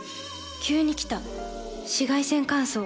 急に来た紫外線乾燥。